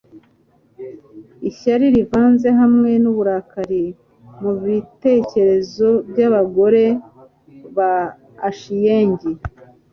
ishyari rivanze hamwe n'uburakari mubitekerezo by'abagore ba achieng